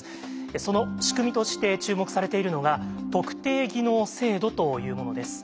その仕組みとして注目されているのが特定技能制度というものです。